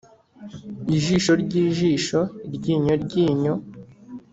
ijisho ryijisho, iryinyo ryinyo